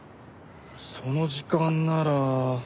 その時間なら。